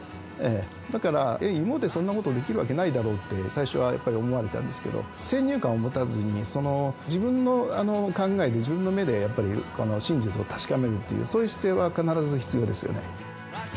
だから芋でそんなことできるわけないだろって最初はやっぱり思われたんですけど先入観を持たずにその自分の考えで自分の目でやっぱり真実を確かめるっていうそういう姿勢は必ず必要ですよね。